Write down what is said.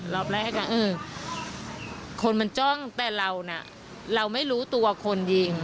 รอบแรกคนมันจ้องแต่เราเราไม่รู้ตัวคนยิง